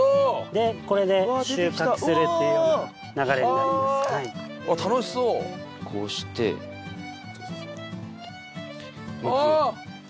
でこれで収穫するっていう流れになりますは楽しそうこうしてああ！